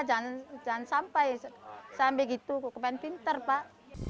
jangan sampai sampai gitu kepain pinter pak